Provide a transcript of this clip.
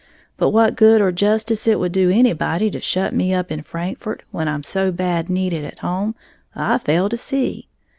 But what good or justice it would do anybody to shut me up in Frankfort when I'm so bad needed at home, I fail to see.